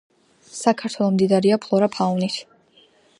საქართველო მდიდარია ფლორა -ფაუნით.